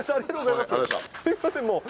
すみません。